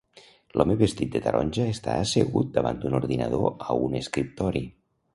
L'home vestit de taronja està assegut davant d'un ordinador a un escriptori.